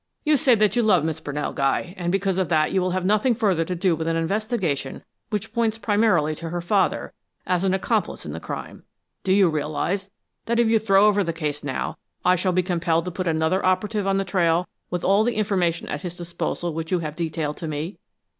"You say that you love Miss Brunell, Guy, and because of that, you will have nothing further to do with an investigation which points primarily to her father as an accomplice in the crime. Do you realize that if you throw over the case now, I shall be compelled to put another operative on the trail, with all the information at his disposal which you have detailed to me?